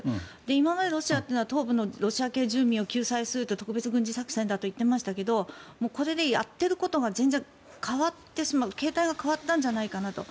今まで、ロシアというのは東部のロシア系住民を救済する特別軍事作戦だと言っていましたけどこれでやっていることが全然変わって形態が変わったんじゃないかと。